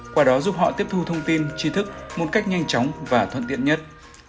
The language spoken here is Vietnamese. quả đó giúp họ tiếp thu thông tin trí thức một cách nhanh chóng và thuận tiện nhất